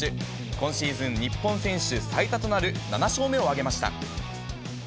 今シーズン日本選手最多となる７勝目を挙げました。